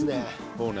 そうね。